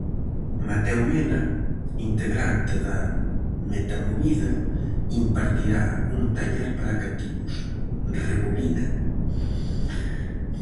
Mateo Mena, integrante da Metamovida, impartirá un taller para cativos: Rebobina!